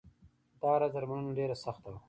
دا راز درملنه ډېره سخته وه.